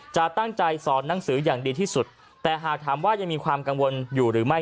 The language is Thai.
จะตั้งใจสอนหนังสืออย่างดีที่สุดแต่หากถามว่ายังมีความกังวลอยู่หรือไม่